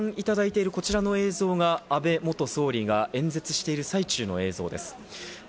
ご覧いただいている映像が安倍元総理が演説している最中の映像です。